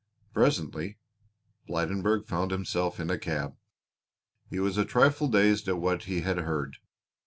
Presently Blydenburg found himself in a cab. He was a trifle dazed at what he had heard.